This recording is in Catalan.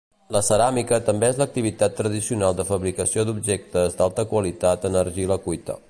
La ceràmica també és l'activitat tradicional de fabricació d'objectes d'alta qualitat en argila cuita.